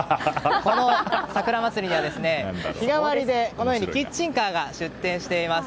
この桜まつりには日替わりで、このようにキッチンカーが出店しています。